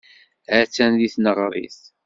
Attan deg tneɣrit.